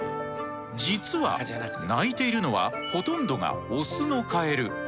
実は鳴いているのはほとんどがオスのカエル。